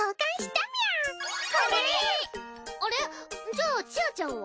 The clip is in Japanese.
じゃあちあちゃんは？